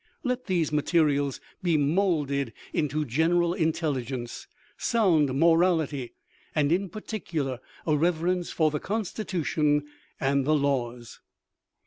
Let these materials be moulded into general intelligence, sound morality, and in particular, a reverence for the Constitution and the laws.